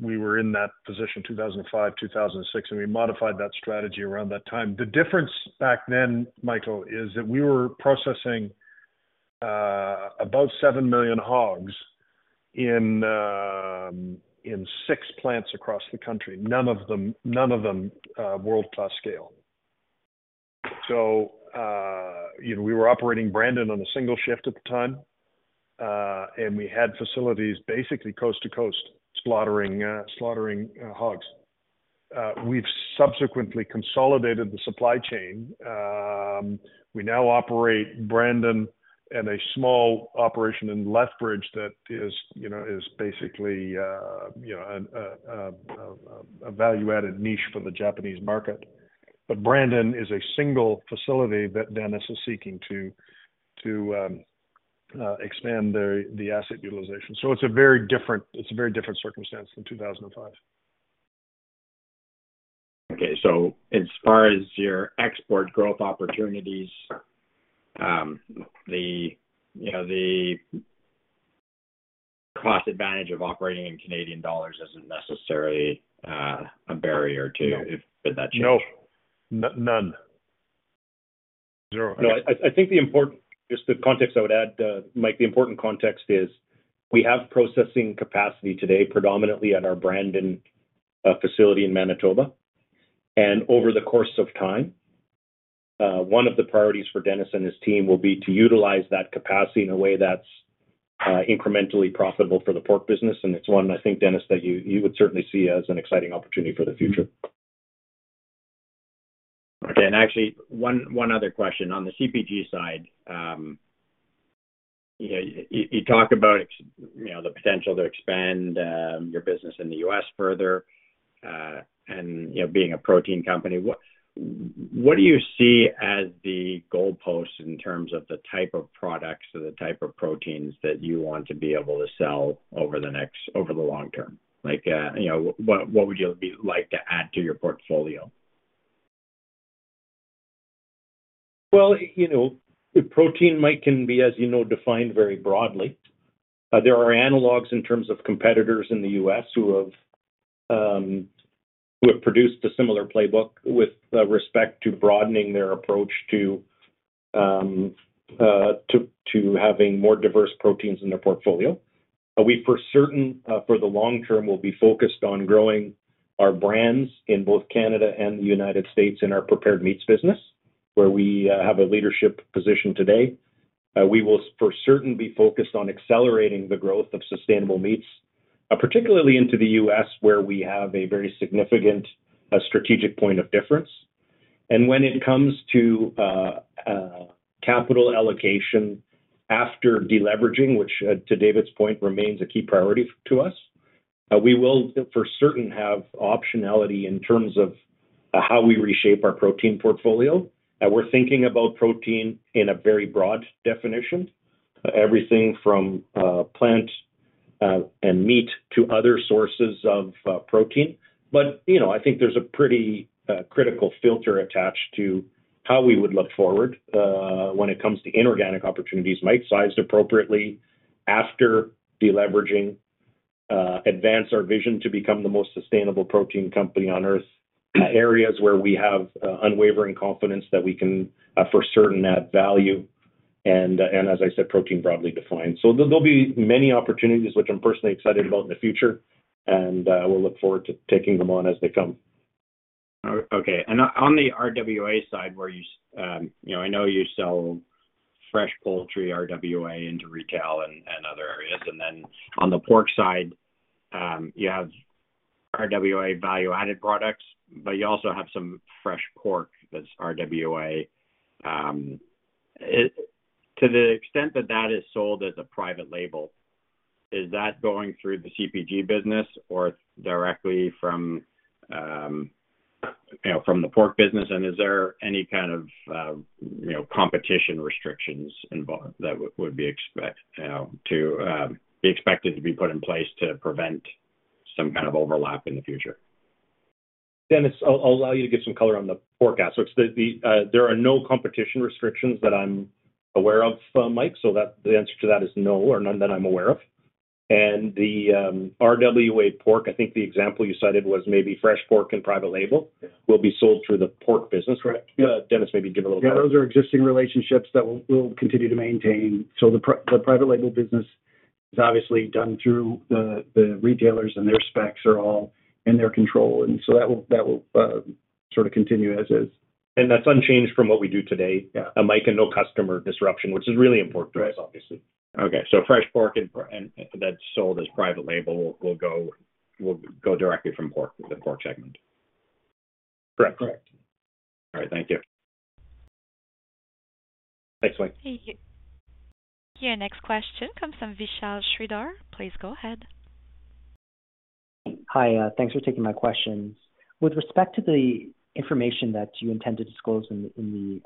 we were in that position, 2005, 2006, and we modified that strategy around that time. The difference back then, Michael, is that we were processing about seven million hogs in six plants across the country, none of them world-class scale. So we were operating Brandon on a single shift at the time, and we had facilities basically coast to coast slaughtering hogs. We've subsequently consolidated the supply chain. We now operate Brandon and a small operation in Lethbridge that is basically a value-added niche for the Japanese market. But Brandon is a single facility that Dennis is seeking to expand the asset utilization. So it's a very different circumstance than 2005. Okay. As far as your export growth opportunities, the cost advantage of operating in Canadian dollars isn't necessarily a barrier to that shift? No. None. Zero. I think the important just the context I would add, Mike, the important context is we have processing capacity today predominantly at our Brandon facility in Manitoba. And over the course of time, one of the priorities for Dennis and his team will be to utilize that capacity in a way that's incrementally profitable for the pork business. And it's one, I think, Dennis, that you would certainly see as an exciting opportunity for the future. Okay. And actually, one other question. On the CPG side, you talk about the potential to expand your business in the U.S. further and being a protein company. What do you see as the goalposts in terms of the type of products or the type of proteins that you want to be able to sell over the long term? What would you like to add to your portfolio? Well, protein, Mike, can be, as you know, defined very broadly. There are analogs in terms of competitors in the U.S. who have produced a similar playbook with respect to broadening their approach to having more diverse proteins in their portfolio. We, for certain, for the long term, will be focused on growing our brands in both Canada and the United States in our prepared meats business, where we have a leadership position today. We will, for certain, be focused on accelerating the growth of sustainable meats, particularly into the U.S., where we have a very significant strategic point of difference. When it comes to capital allocation after deleveraging, which, to David's point, remains a key priority to us, we will, for certain, have optionality in terms of how we reshape our protein portfolio. We're thinking about protein in a very broad definition, everything from plant and meat to other sources of protein. But I think there's a pretty critical filter attached to how we would look forward when it comes to inorganic opportunities, Mike, sized appropriately after deleveraging, advance our vision to become the most sustainable protein company on earth, areas where we have unwavering confidence that we can, for certain, add value. And as I said, protein broadly defined. So there'll be many opportunities, which I'm personally excited about in the future, and we'll look forward to taking them on as they come. Okay. And on the RWA side, where I know you sell fresh poultry RWA into retail and other areas. And then on the pork side, you have RWA value-added products, but you also have some fresh pork that's RWA. To the extent that that is sold as a private label, is that going through the CPG business or directly from the pork business? And is there any kind of competition restrictions that would be expected to be put in place to prevent some kind of overlap in the future? Dennis, I'll allow you to give some color on the forecast. So there are no competition restrictions that I'm aware of, Mike. So the answer to that is no or none that I'm aware of. And the RWA pork, I think the example you cited was maybe fresh pork and private label will be sold through the pork business. Correct. Dennis, maybe give a little background. Yeah. Those are existing relationships that we'll continue to maintain. The private label business is obviously done through the retailers, and their specs are all in their control. So that will sort of continue as is. That's unchanged from what we do today. Yeah. And no customer disruption, which is really important to us, obviously. Okay. So fresh pork that's sold as private label will go directly from the pork segment. Correct. All right. Thank you. Thanks, Mike. Hey, here. Next question comes from Vishal Shreedhar. Please go ahead. Hi. Thanks for taking my questions. With respect to the information that you intend to disclose in the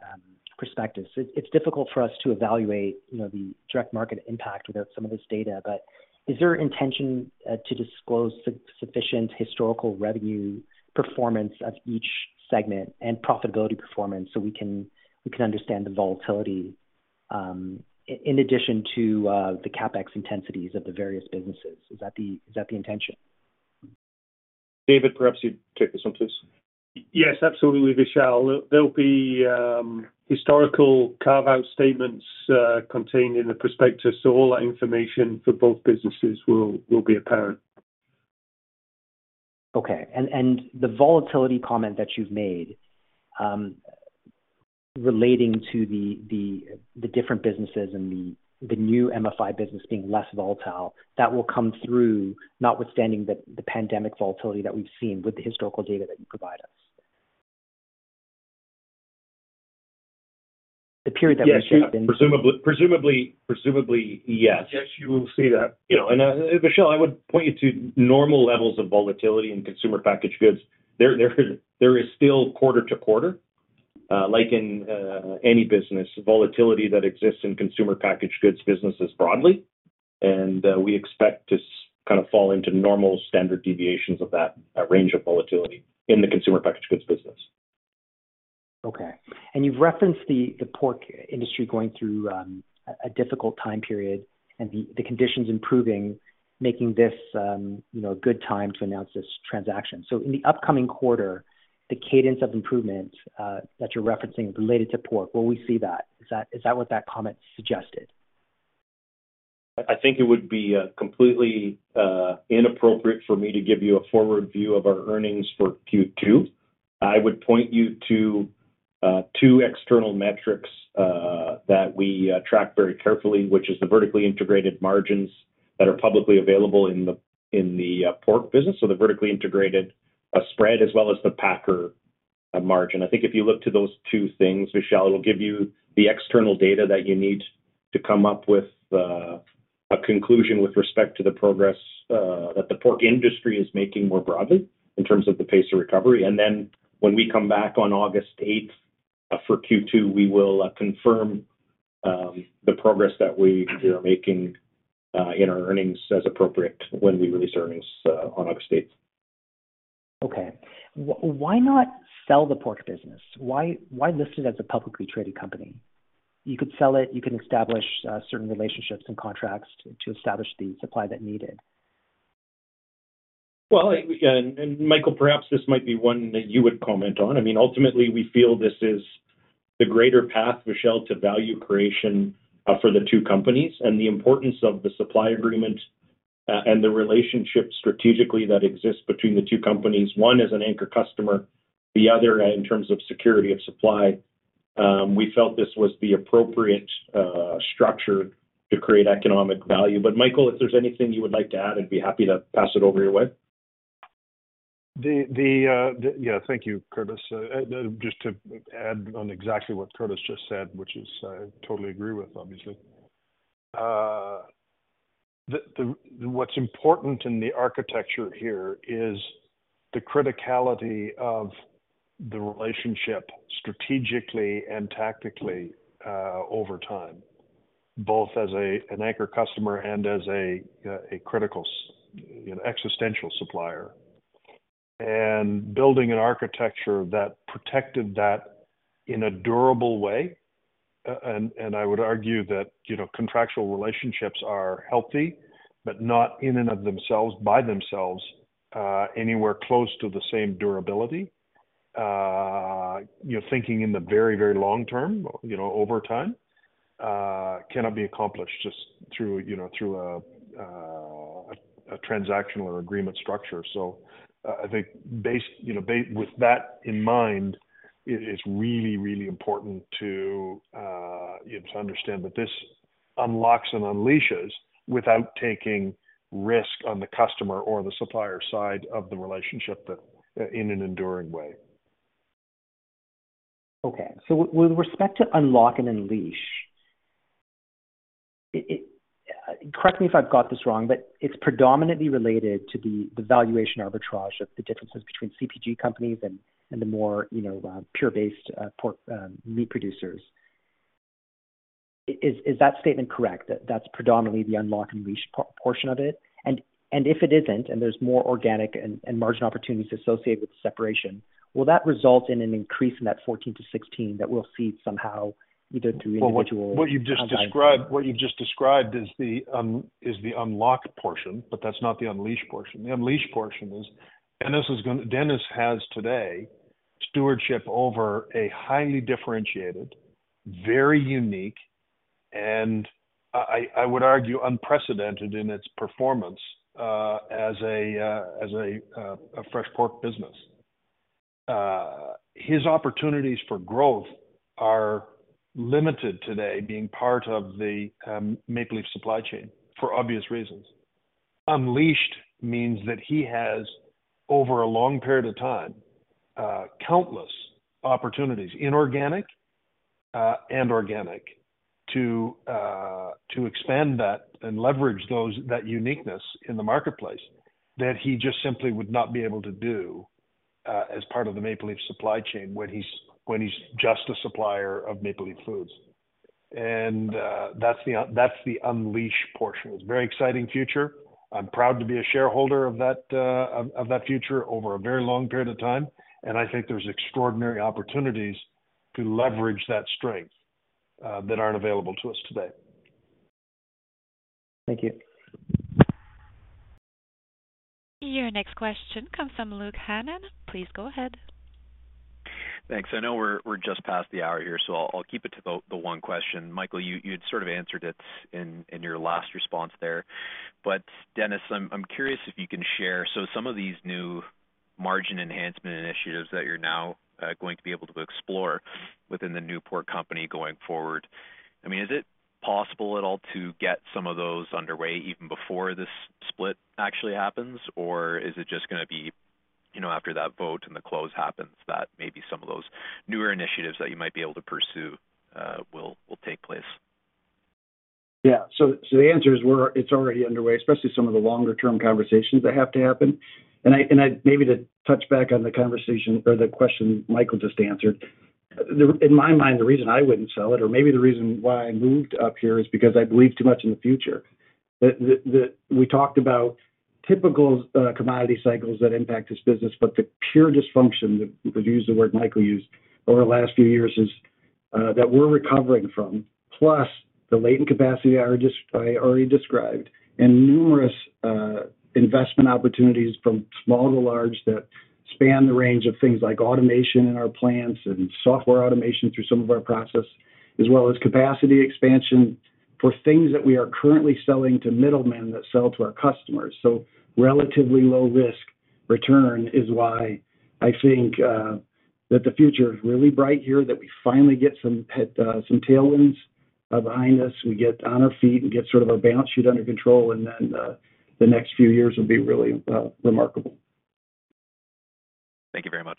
prospectus, it's difficult for us to evaluate the direct market impact without some of this data. But is there intention to disclose sufficient historical revenue performance of each segment and profitability performance so we can understand the volatility in addition to the CapEx intensities of the various businesses? Is that the intention? David, perhaps you take this one, please. Yes, absolutely, Vishal. There'll be historical carve-out statements contained in the prospectus. So all that information for both businesses will be apparent. Okay. And the volatility comment that you've made relating to the different businesses and the new MFI business being less volatile, that will come through, notwithstanding the pandemic volatility that we've seen with the historical data that you provide us? The period that we've shared has been. Presumably, yes. Yes, you will see that. Vishal, I would point you to normal levels of volatility in consumer packaged goods. There is still quarter to quarter, like in any business, volatility that exists in consumer packaged goods businesses broadly. We expect to kind of fall into normal standard deviations of that range of volatility in the consumer packaged goods business. Okay. And you've referenced the pork industry going through a difficult time period and the conditions improving, making this a good time to announce this transaction. So in the upcoming quarter, the cadence of improvement that you're referencing related to pork, will we see that? Is that what that comment suggested? I think it would be completely inappropriate for me to give you a forward view of our earnings for Q2. I would point you to two external metrics that we track very carefully, which is the vertically integrated margins that are publicly available in the pork business, so the vertically integrated spread, as well as the packer margin. I think if you look to those two things, Vishal, it'll give you the external data that you need to come up with a conclusion with respect to the progress that the pork industry is making more broadly in terms of the pace of recovery. And then when we come back on August 8th for Q2, we will confirm the progress that we are making in our earnings as appropriate when we release earnings on August 8th. Okay. Why not sell the pork business? Why list it as a publicly traded company? You could sell it. You can establish certain relationships and contracts to establish the supply that needed. Well, Michael, perhaps this might be one that you would comment on. I mean, ultimately, we feel this is the greater path, Vishal, to value creation for the two companies and the importance of the supply agreement and the relationship strategically that exists between the two companies, one as an anchor customer, the other in terms of security of supply. We felt this was the appropriate structure to create economic value. But Michael, if there's anything you would like to add, I'd be happy to pass it over your way. Yeah. Thank you, Curtis. Just to add on exactly what Curtis just said, which is, I totally agree with, obviously. What's important in the architecture here is the criticality of the relationship strategically and tactically over time, both as an anchor customer and as a critical existential supplier, and building an architecture that protected that in a durable way. I would argue that contractual relationships are healthy, but not in and of themselves, by themselves, anywhere close to the same durability. Thinking in the very, very long term, over time, cannot be accomplished just through a transactional or agreement structure. So I think with that in mind, it's really, really important to understand that this unlocks and unleashes without taking risk on the customer or the supplier side of the relationship in an enduring way. Okay. So with respect to unlock and unleash, correct me if I've got this wrong, but it's predominantly related to the valuation arbitrage of the differences between CPG companies and the more pure-based pork meat producers. Is that statement correct, that that's predominantly the unlock and unleash portion of it? And if it isn't, and there's more organic and margin opportunities associated with the separation, will that result in an increase in that 14-16 that we'll see somehow either through individual. Well, what you've just described is the unlock portion, but that's not the unleash portion. The unleash portion is Dennis has today stewardship over a highly differentiated, very unique, and I would argue unprecedented in its performance as a fresh pork business. His opportunities for growth are limited today being part of the Maple Leaf supply chain for obvious reasons. Unleashed means that he has, over a long period of time, countless opportunities in organic and organic to expand that and leverage that uniqueness in the marketplace that he just simply would not be able to do as part of the Maple Leaf supply chain when he's just a supplier of Maple Leaf Foods. And that's the unleash portion. It's a very exciting future. I'm proud to be a shareholder of that future over a very long period of time. I think there's extraordinary opportunities to leverage that strength that aren't available to us today. Thank you. Your next question comes from Luke Hannan. Please go ahead. Thanks. I know we're just past the hour here, so I'll keep it to the one question. Michael, you'd sort of answered it in your last response there. But Dennis, I'm curious if you can share. So some of these new margin enhancement initiatives that you're now going to be able to explore within the new pork company going forward, I mean, is it possible at all to get some of those underway even before this split actually happens? Or is it just going to be after that vote and the close happens that maybe some of those newer initiatives that you might be able to pursue will take place? Yeah. So the answer is it's already underway, especially some of the longer-term conversations that have to happen. And maybe to touch back on the conversation or the question Michael just answered, in my mind, the reason I wouldn't sell it, or maybe the reason why I moved up here, is because I believe too much in the future. We talked about typical commodity cycles that impact his business, but the pure dysfunction, to use the word Michael used, over the last few years is that we're recovering from, plus the latent capacity I already described, and numerous investment opportunities from small to large that span the range of things like automation in our plants and software automation through some of our process, as well as capacity expansion for things that we are currently selling to middlemen that sell to our customers. Relatively low-risk return is why I think that the future is really bright here, that we finally get some tailwinds behind us, we get on our feet and get sort of our balance sheet under control, and then the next few years will be really remarkable. Thank you very much.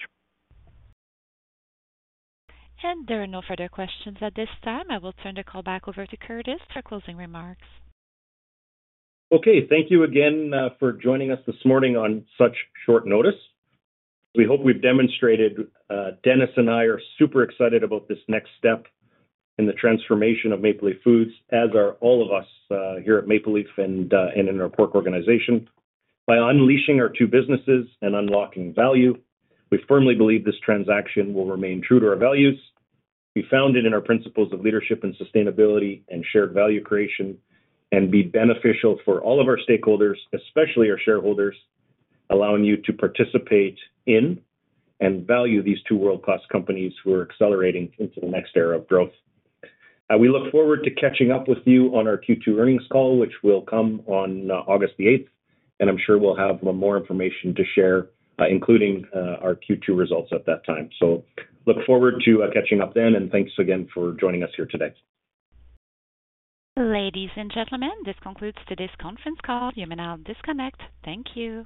There are no further questions at this time. I will turn the call back over to Curtis for closing remarks. Okay. Thank you again for joining us this morning on such short notice. We hope we've demonstrated Dennis and I are super excited about this next step in the transformation of Maple Leaf Foods, as are all of us here at Maple Leaf and in our pork organization. By unleashing our two businesses and unlocking value, we firmly believe this transaction will remain true to our values. We found it in our principles of leadership and sustainability and shared value creation and be beneficial for all of our stakeholders, especially our shareholders, allowing you to participate in and value these two world-class companies who are accelerating into the next era of growth. We look forward to catching up with you on our Q2 earnings call, which will come on August 8th. I'm sure we'll have more information to share, including our Q2 results at that time. Look forward to catching up then. Thanks again for joining us here today. Ladies and gentlemen, this concludes today's conference call. You may now disconnect. Thank you.